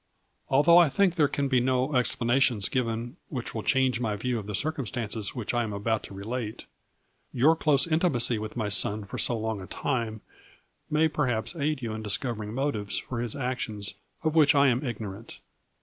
Although I think there can be no explanations given which will change my view of the circumstances which I am about to relate, your close intimacy with my son for so long a time may perhaps aid you in discov ering motives for his actions of which I am ig norant.